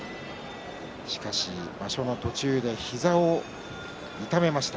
しかし、場所の途中で膝を痛めました。